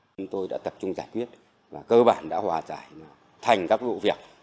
chúng tôi đã tập trung giải quyết và cơ bản đã hòa giải thành các vụ việc